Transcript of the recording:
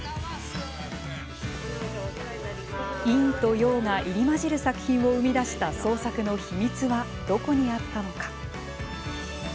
陰と陽が入り交じる作品を生み出した創作の秘密はどこにあったのか。